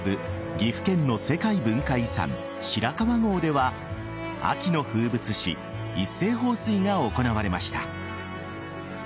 岐阜県の世界文化遺産白川郷では秋の風物詩一斉放水が行われました。